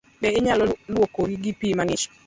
Be inyalo luokori gi pii mang'ich?